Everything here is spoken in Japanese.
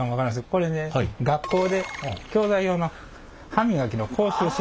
これね学校で教材用の歯磨きの講習をする。